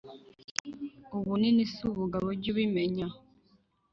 Ubunini si ubugabo jyu bimenya